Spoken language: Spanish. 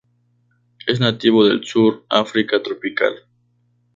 Es nativo del sur África tropical.